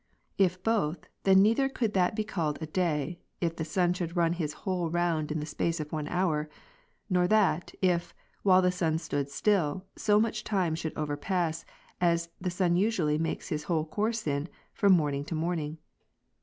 If both, then neither could that be called a day, if the sun should run his whole round in the space of one hour ; nor that, if, while the sun stood still, so much time should over pass, as the sun usually makes his whole couj'se in, from morning to morning.